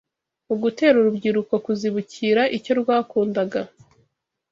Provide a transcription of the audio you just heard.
mu gutera urubyiruko kuzibukira icyo rwakundaga